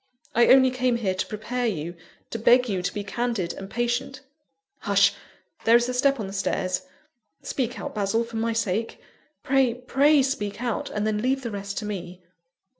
I only came here to prepare you; to beg you to be candid and patient. Hush! there is a step on the stairs. Speak out, Basil, for my sake pray, pray, speak out, and then leave the rest to me."